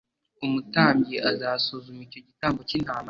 Umutambyi azasuzuma icyo gitambo cy’intama.